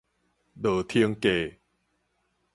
落停價